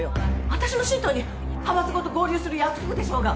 私の新党に派閥ごと合流する約束でしょうが！